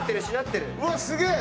うわっすげえ！